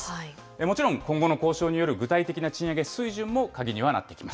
もちろん今後の交渉による具体的な賃上げ水準も鍵にはなってきま